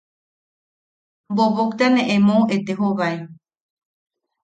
Bobokta ne emou etejobae.